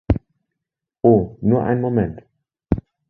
Oh, nur einen Moment!